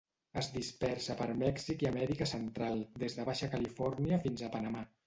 Es dispersa per Mèxic i Amèrica Central, des de Baixa Califòrnia fins a Panamà.